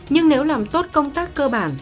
nhưng nếu làm tốt công tác cơ bản